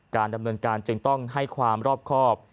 การดำเนินการจึงต้องให้ความรอบครอบ